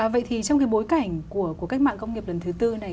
vậy thì trong cái bối cảnh của cuộc cách mạng công nghiệp lần thứ tư này